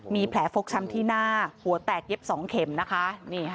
มีแผลฟกช้ำที่หน้าหัวแตกเย็บ๒เข็มนะคะ